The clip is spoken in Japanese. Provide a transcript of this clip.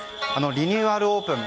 リニューアルオープン